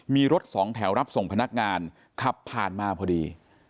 มีรถสองแถวรับส่งพนักงานขับผ่านมาพอดี